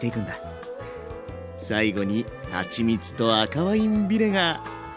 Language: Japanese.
最後にはちみつと赤ワインビネガー。